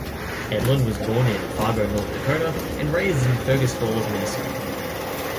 Edlund was born in Fargo, North Dakota and raised in Fergus Falls, Minnesota.